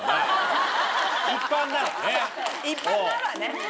一般ならね。